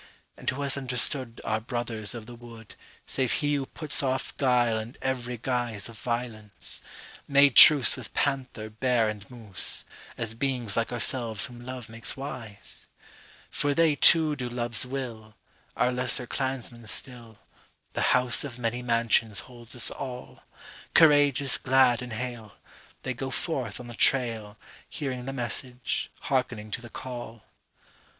…And who has understoodOur brothers of the wood, Save he who puts off guile and every guiseOf violence,—made truceWith panther, bear, and moose, As beings like ourselves whom love makes wise? For they, too, do love's will, Our lesser clansmen still; The House of Many Mansions holds us all; Courageous, glad and hale, They go forth on the trail, Hearing the message, hearkening to the call.